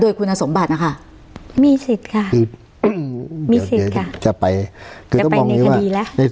โดยคุณสมบัตินะคะมีสิทธิ์ค่ะคือมีสิทธิ์ค่ะจะไปจะไปในคดีแล้ว